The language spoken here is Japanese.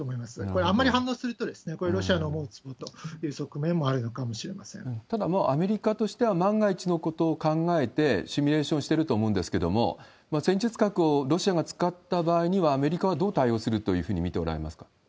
これはあんまり反応すると、これ、ロシアの思うつぼという側面もあただ、アメリカとしては万が一のことを考えて、シミュレーションしてると思うんですけれども、戦術核をロシアが使った場合には、アメリカはどう対応するというふうに見ておられますか？